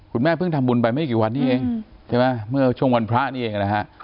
คุณแม่เพิ่งทำบุญไปไม่กี่วันนี้เองใช่ไหมเมื่อช่วงวันพระนี่เองนะฮะ